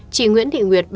chị nguyễn thị nguyệt